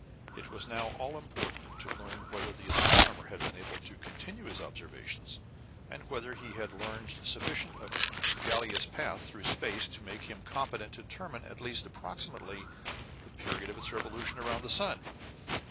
It was now all important to learn whether the astronomer had been able to continue his observations, and whether he had learned sufficient of Gallia's path through space to make him competent to determine, at least approximately, the period of its revolution round the sun.